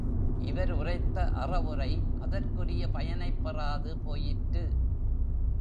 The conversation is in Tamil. இவர் உரைத்த அறவுரை அதற்குரிய பயனைப் பெறாது போயிற்று.